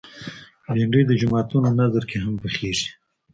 بېنډۍ د جوماتونو نذر کې هم پخېږي